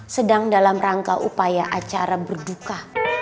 sedang dalam rangka upaya acara berduka